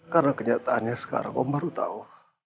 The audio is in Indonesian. karena kenyataannya sekarang om baru tahu